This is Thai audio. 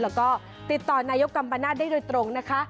แล้วก็ติดต่อนายกกัมปนาศได้โดยตรงนะคะ